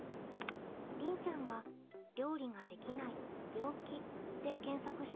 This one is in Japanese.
りんちゃんが「料理ができない病気」で検索したところ。